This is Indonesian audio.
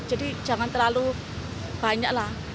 jadi jangan terlalu banyak lah